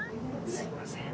すいません。